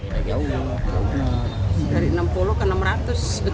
jauh jauh dari rp enam puluh ke rp enam ratus